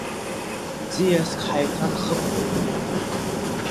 Ӡиаск ҳаиҭанхықәгылеит.